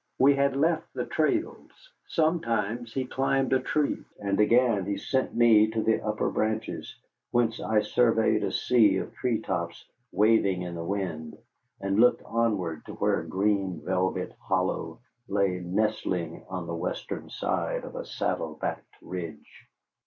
We had left the trails. Sometimes he climbed tree, and again he sent me to the upper branches, whence I surveyed a sea of tree tops waving in the wind, and looked onward to where a green velvet hollow lay nestling on the western side of a saddle backed ridge.